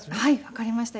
わかりました。